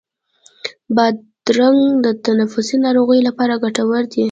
بادرنګ د تنفسي ناروغیو لپاره ګټور دی.